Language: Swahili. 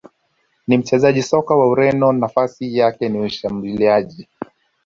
ni mchezaji soka wa Ureno nafasi yake ni Mshambuliaji